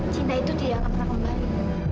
cinta itu tidak akan pernah kembali